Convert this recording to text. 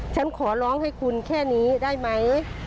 ฉันขอร้องให้คุณแค่นี้ได้ไหม